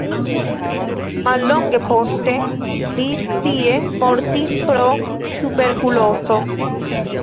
Mallonge poste li tie mortis pro tuberkulozo.